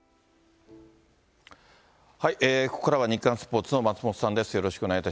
ここからは日刊スポーツの松本さんです。